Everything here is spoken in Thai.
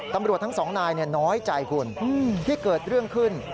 ตำรวจทั้งสองนายน้อยใจคุณที่เกิดเรื่องขึ้น